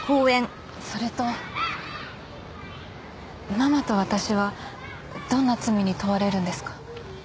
それとママと私はどんな罪に問われるんですか？